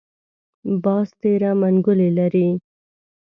باز تېره منګولې لري